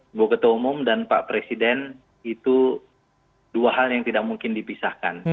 ibu ketua umum dan pak presiden itu dua hal yang tidak mungkin dipisahkan